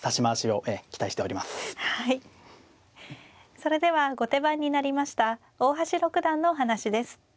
それでは後手番になりました大橋六段のお話です。